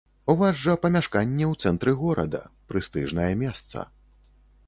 У вас жа памяшканне ў цэнтры горада, прэстыжнае месца.